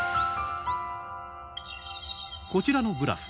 こちらのグラフ。